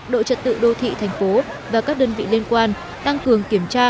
đội trật tự đô thị thành phố và các đơn vị liên quan tăng cường kiểm tra